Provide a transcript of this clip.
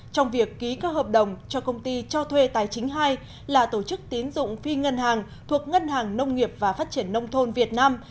trong việc ký các hợp đồng cho công ty cho thuê tài chính hai là tổ chức tín dụng phi ngân hàng thuộc ngân hàng nông nghiệp và phát triển nông thôn việt nam